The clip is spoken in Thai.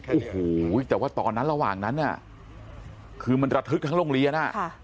โอ้โหแต่ว่าตอนนั้นระหว่างนั้นเนี่ยคือมันระทึกทั้งโรงเรียน